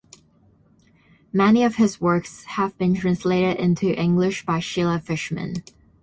Many of his works have been translated into English by Sheila Fischman.